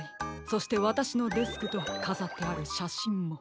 そしてわたしのデスクとかざってあるしゃしんも。